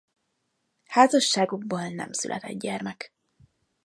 Házasságukból nem született gyermek.